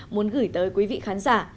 muốn gửi tới quý vị khán giả